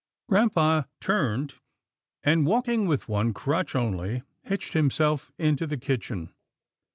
Grampa turned, and, walking with one crutch only, hitched himself into the kitchen.